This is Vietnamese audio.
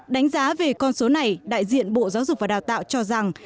đánh giá về con số này đại diện bộ giáo dục và đào tạo cho rằng